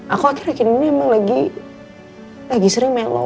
aku akhir akhir ini emang lagi lagi sering melo